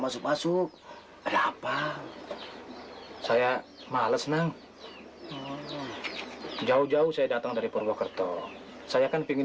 masuk masuk ada apa saya males nang jauh jauh saya datang dari purwokerto saya kan ingin